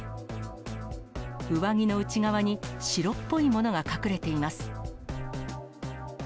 上着の内側に白っぽいものが隠れています。